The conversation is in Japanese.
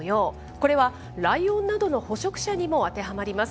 これはライオンなどの捕食者にも当てはまります。